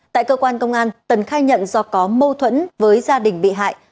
tại cơ quan công an tần khai nhận do có mâu thuẫn với gia đình bị hại